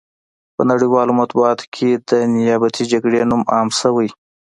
په نړیوالو مطبوعاتو کې د نیابتي جګړې نوم عام شوی.